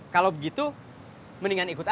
kalau begitu mendingan ikut aja